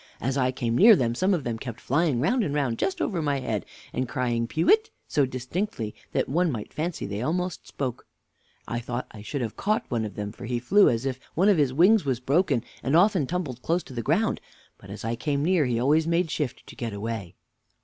As I came near them, some of them kept flying round and round just over my head, and crying pewet so distinctly one might fancy they almost spoke, I thought I should have caught one of them, for he flew as if one of his wings was broken, and often tumbled close to the ground: but as I came near, he always made a shift to get away.